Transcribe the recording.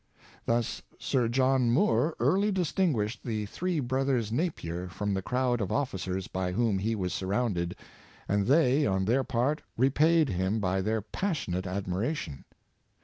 Thus, Sir John Moore early distinguished the three brothers Napier from the crowd of officers by whom he was surrounded, and they, on their part, repaid him by their passionate admiration.